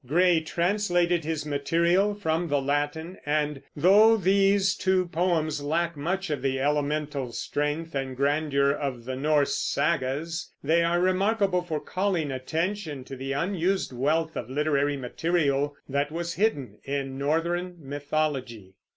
Gray translated his material from the Latin, and though these two poems lack much of the elemental strength and grandeur of the Norse sagas, they are remarkable for calling attention to the unused wealth of literary material that was hidden in Northern mythologv.